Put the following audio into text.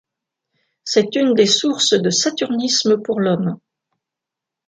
C'est une des sources de saturnisme pour l'Homme.